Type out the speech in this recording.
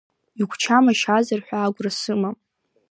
Игәчама шьазар ҳәа агәра сымам.